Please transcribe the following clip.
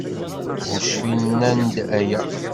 Ur cfin nnan-d aya.